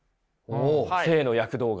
お生の躍動が？